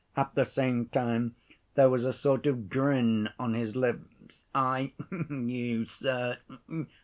At the same time there was a sort of grin on his lips. "I ... you, sir